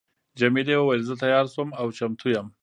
جميلې وويل: زه تیاره شوم او چمتو یم.